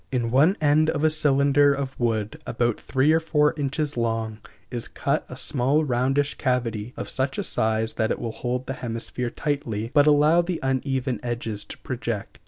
In one end of a cylinder of wood, about three or four inches long, is cut a small roundish cavity of such a size that it will hold the hemisphere tightly, but allow the uneven edges to project.